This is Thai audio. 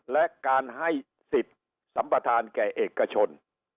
และการให้สิทธิ์สัมประธานแก่เอกชน